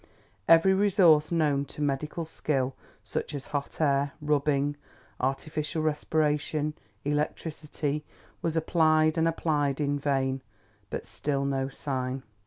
Every resource known to medical skill, such as hot air, rubbing, artificial respiration, electricity, was applied and applied in vain, but still no sign!